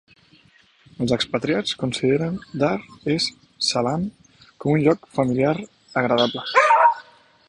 Els expatriats consideren Dar es Salaam com un lloc familiar agradable.